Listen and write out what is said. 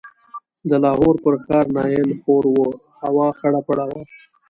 د لاهور پر ښار نایل خور و، هوا خړه پړه وه.